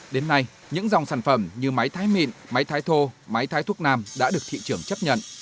đến nay những dòng sản phẩm như máy thái mịn máy thái thô máy thái thuốc nam đã được thị trường chấp nhận